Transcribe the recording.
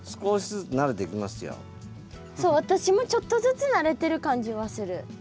そう私もちょっとずつ慣れてる感じはする。